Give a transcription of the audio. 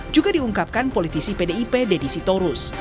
juga diungkapkan politisi pdip deddy sitorus